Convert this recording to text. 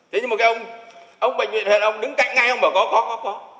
thế nhưng mà cái ông ông bệnh viện huyện ông đứng cạnh ngay ông bảo có có có có